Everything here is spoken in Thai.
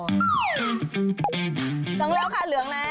หลงแล้วค่ะเหลืองนะ